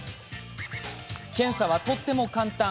検査はとっても簡単。